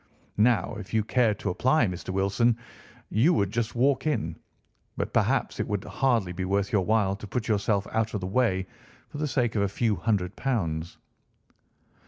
Now, if you cared to apply, Mr. Wilson, you would just walk in; but perhaps it would hardly be worth your while to put yourself out of the way for the sake of a few hundred pounds.